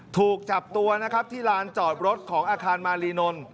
ถูกจับตัวนะครับที่ลานจอดรถของอาคารมารีนนท์